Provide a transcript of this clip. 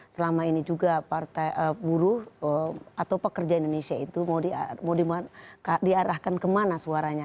selama ini juga partai buruh atau pekerja indonesia itu mau diarahkan kemana suaranya